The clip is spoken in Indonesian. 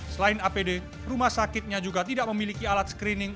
selain apd rumah sakitnya juga tidak memiliki alat screening